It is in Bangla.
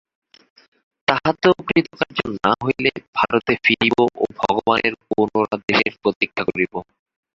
তাহাতেও কৃতকার্য না হইলে ভারতে ফিরিব ও ভগবানের পুনরাদেশের প্রতীক্ষা করিব।